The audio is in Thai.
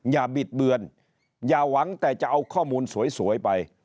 บิดเบือนอย่าหวังแต่จะเอาข้อมูลสวยไป